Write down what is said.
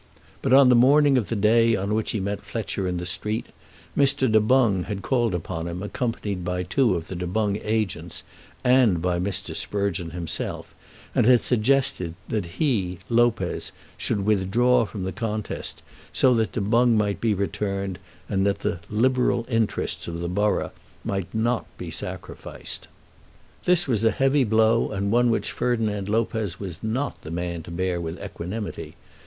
But, on the morning of the day on which he met Fletcher in the street, Mr. Du Boung had called upon him accompanied by two of the Du Boung agents and by Mr. Sprugeon himself, and had suggested that he, Lopez, should withdraw from the contest, so that Du Boung might be returned, and that the "Liberal interests" of the borough might not be sacrificed. This was a heavy blow, and one which Ferdinand Lopez was not the man to bear with equanimity.